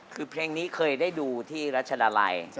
คือเพลงนี้เคยได้ดูที่รัชดาลัย